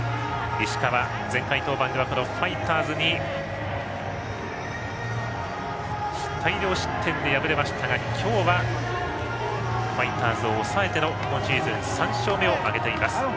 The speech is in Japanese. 石川、前回登板ではファイターズに大量失点で敗れましたが今日はファイターズを抑えての今シーズン３勝目を挙げています。